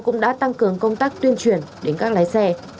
cũng đã tăng cường công tác tuyên truyền đến các lái xe